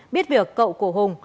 biết việc cậu của hùng